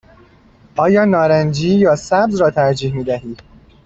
آیا نارنجی یا سبز را ترجیح می دهی؟